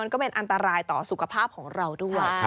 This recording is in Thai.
ก็เป็นอันตรายต่อสุขภาพของเราด้วย